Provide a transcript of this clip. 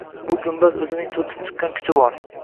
Bu gumbaz o‘zining turtib chiqqan uchi bor